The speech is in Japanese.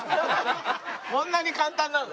こんなに簡単なんだ。